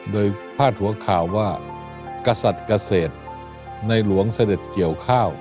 โดยพาดหัวข่าวว่ากษัตริย์เกษตรในหลวงเสด็จเกี่ยวข้าว